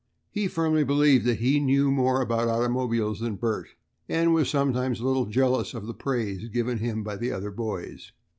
He firmly believed that he knew more about automobiles than Bert, and was sometimes a little jealous of the praise given him by the other boys.